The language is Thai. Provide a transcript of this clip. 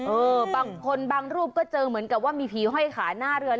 บางคนบางรูปก็เจอเหมือนกับว่ามีผีห้อยขาหน้าเรือน